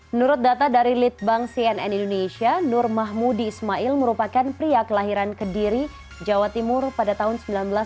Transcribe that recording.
menurut data dari litbang cnn indonesia nur mahmudi ismail merupakan pria kelahiran kediri jawa timur pada tahun seribu sembilan ratus sembilan puluh